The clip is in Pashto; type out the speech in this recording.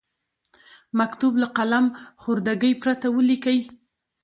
مکتوب له قلم خوردګۍ پرته ولیکئ.